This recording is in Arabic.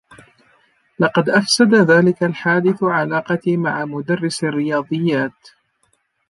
لقد أفسد ذلك الحادث علاقتي مع مدرّس الرّياضيّات.